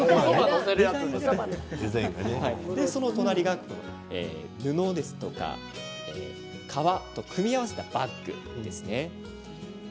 そのお隣が布ですとか革と組み合わせたバッグです。